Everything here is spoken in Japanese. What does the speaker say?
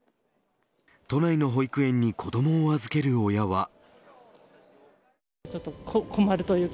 都内の保育園に子どもを預ける親は。